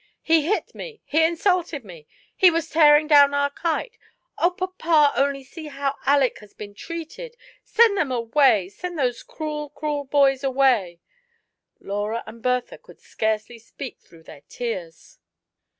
'' He hit me "— *'He insulted me" —*' He was tearing down our kite "—Oh, papa, only see how Aleck has been treated !" ''Send them away — send those cruel, ciniel boys away !" Laura and Bertha could scarcely speak through their tears.